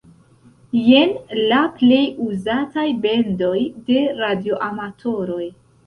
Jen la plej uzataj bendoj de radioamatoroj.